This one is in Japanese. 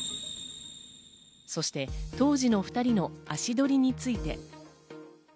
そして、当時の２人の足取りについて。